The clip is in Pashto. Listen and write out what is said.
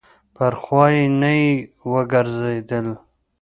پر خوا یې نه یې ورګرځېدل.